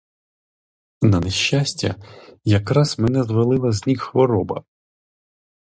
На нещастя, якраз мене звалила з ніг хвороба.